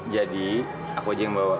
aku aja yang bawa